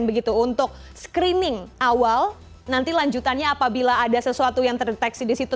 begitu untuk screening awal nanti lanjutannya apabila ada sesuatu yang terdeteksi di situ